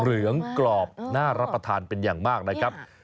เหลืองกรอบน่ารับประทานเป็นอย่างมากนะครับ